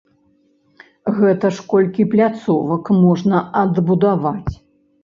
Гэта ж колькі пляцовак можна адбудаваць!